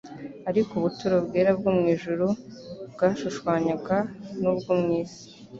ariko ubuturo bwera bwo mu ijuru bwashushanywaga nubwo mu isi,